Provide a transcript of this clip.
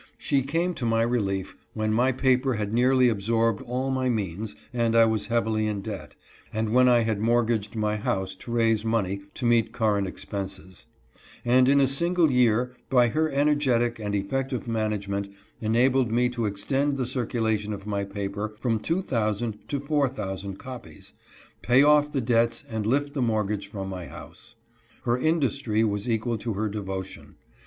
She came to my relief when my paper had nearly absorbed all my means, and I was heavily in debt, and when I had mortgaged my house to raise money to meet current expenses ; and in a single year by her energetic and effective management enabled me to extend the circulation of my paper from 2,000 to 4,000 copies, pay off the debts and lift the mortgage from my house. Her industry was equal to her devotion.